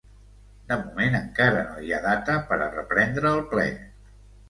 De moment encara no hi ha data per a reprendre el ple.